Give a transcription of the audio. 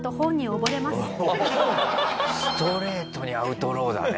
ストレートにアウトローだね。